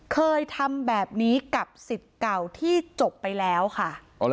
เคยทำแบบนี้กับสิทธิ์เก่าที่จบไปแล้วค่ะ